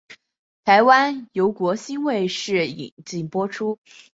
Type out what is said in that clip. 台湾由国兴卫视引进播出。